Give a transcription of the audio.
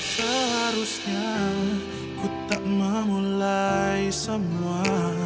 seharusnya ku tak memulai semua